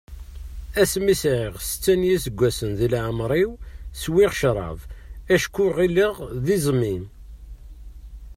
Asmi sɛiɣ setta n yiseggasen di leɛmer-iw, swiɣ crab acku ɣileɣ d iẓmi.